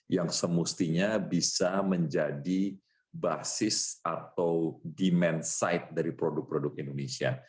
yang semestinya bisa menjadi basis atau demand side dari produk produk indonesia